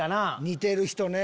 似てる人ね。